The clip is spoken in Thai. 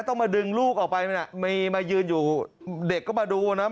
ต้องมาดึงลูกออกไปนั่นน่ะมีมายืนอยู่เด็กก็มาดูนะ